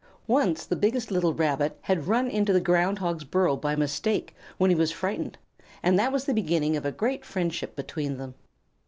Once the biggest little Rabbit had run into the Ground Hog's burrow by mistake when he was frightened, and that was the beginning of a great friendship between them.